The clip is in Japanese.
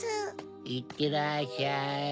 いってらっしゃい。